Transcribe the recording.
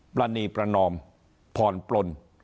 ประณีประนอมพรปลล